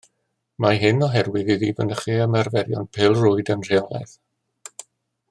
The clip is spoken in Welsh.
Mae hyn oherwydd iddi fynychu ymarferion pêl-rwyd yn rheolaidd